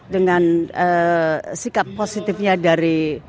dengan sikap positifnya dari